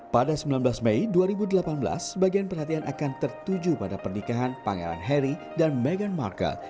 pada sembilan belas mei dua ribu delapan belas bagian perhatian akan tertuju pada pernikahan pangeran harry dan meghan markle